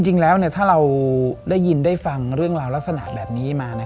จริงแล้วถ้าเราได้ยินได้ฟังเรื่องราวลักษณะแบบนี้มา